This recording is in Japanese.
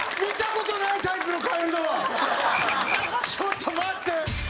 ちょっと待って！